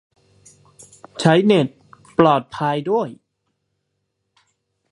ใช้เน็ตปลอดภัย ด้วย